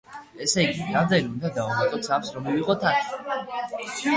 ესე იგი, რამდენი უნდა დავუმატოთ სამს რომ მივიღოთ ათი?